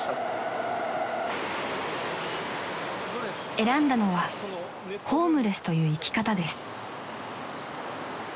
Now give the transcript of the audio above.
［選んだのはホームレスという生き方です］